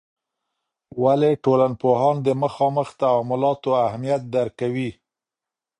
ولي ټولنپوهان د مخامخ تعاملاتو اهمیت درک کوي؟